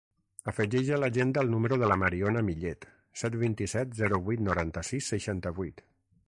Afegeix a l'agenda el número de la Mariona Millet: set, vint-i-set, zero, vuit, noranta-sis, seixanta-vuit.